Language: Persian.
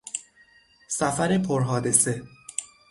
سفر پر حادثه